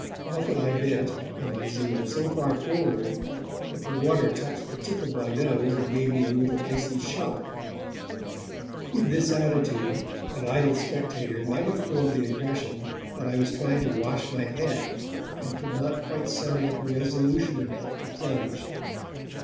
Often I bent, in my zeal, so far forward that the water touched the tip of my nose and gave me a little icy shock. In this attitude, an idle spectator might have formed the impression that I was trying to wash my head and could not quite summon up resolution enough to plunge.